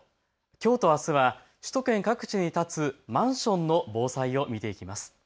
きょうとあすは首都圏各地に建つマンションの防災を見ていきます。